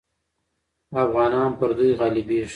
افغانان پر دوی غالبېږي.